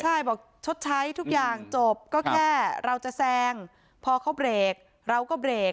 ใช่บอกชดใช้ทุกอย่างจบก็แค่เราจะแซงพอเขาเบรกเราก็เบรก